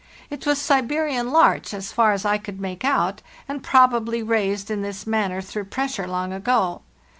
It was Siberian larch, as far as I could make out, and probably raised in this manner through pressure long ago.